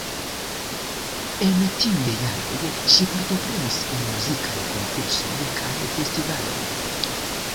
En tiuj jaroj ŝi partoprenis en muzikaj konkursoj kaj festivaloj.